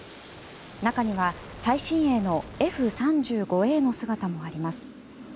中には、最新鋭のＦ３５Ａの姿もあります。